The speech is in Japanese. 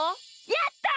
やった！